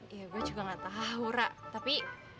ya gue juga gak tahu hura tapi